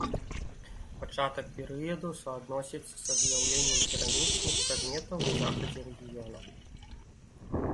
Пачатак перыяду суадносяць са з'яўленнем керамічных прадметаў на захадзе рэгіёна.